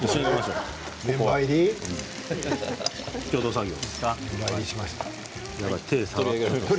共同作業。